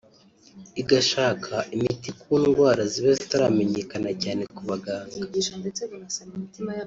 igashaka imiti ku ndwara ziba zitaramenyekana cyane ku baganga